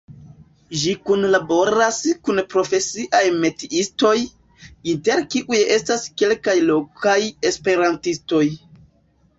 Ĝi kunlaboras kun profesiaj metiistoj, inter kiuj estas kelkaj lokaj esperantistoj.